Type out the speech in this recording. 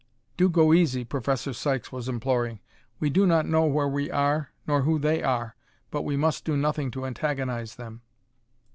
"Do go easy," Professor Sykes was imploring. "We do not know where we are nor who they are, but we must do nothing to antagonize them."